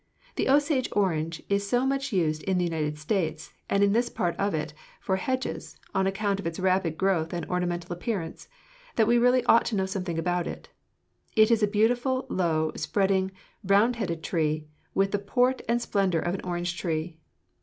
The Osage orange is so much used in the United States, and in this part of it, for hedges, on account of its rapid growth and ornamental appearance, that we really ought to know something about it. 'It is a beautiful low, spreading, round headed tree with the port and splendor of an orange tree.